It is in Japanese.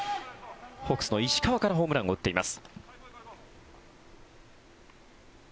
ホークスの石川からホームランを打っています。